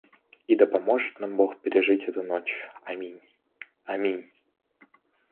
«И да поможет нам бог пережить эту ночь, аминь!» — «Аминь!»